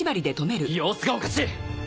様子がおかしい！